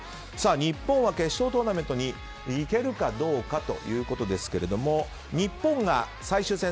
日本は決勝トーナメントに行けるかどうかということですけれども日本が最終戦